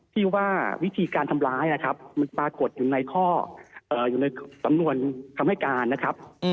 ที่ว่าวิธีการทำร้ายนะครับมันปรากฏอยู่ในข้ออยู่ในสำนวนคำให้การนะครับ